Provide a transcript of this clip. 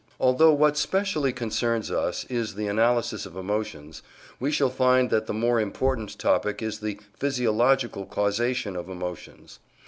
Although what specially concerns us is the analysis of emotions, we shall find that the more important topic is the physiological causation of emotions.